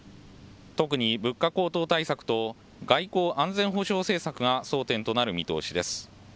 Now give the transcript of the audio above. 特に物価高騰対策と外交・安全保障政策が争点となる見通しです。